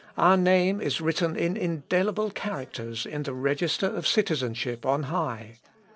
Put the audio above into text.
Our name is written in indelible characters in the register of citizenship on high.